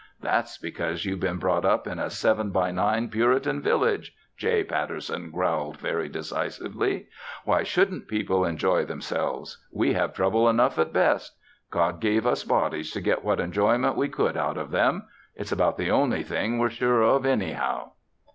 "That's because you've been brought up in a seven by nine Puritan village," J. Patterson growled very decisively. "Why shouldn't people enjoy themselves? We have trouble enough at best. God gave us bodies to get what enjoyment we could out of them. It's about the only thing we're sure of, anyhow."